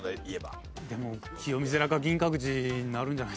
でも清水寺か銀閣寺になるんじゃないですか？